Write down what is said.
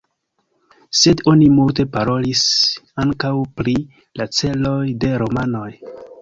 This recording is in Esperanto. Sed oni multe parolis ankaŭ pri la celoj de romanoj.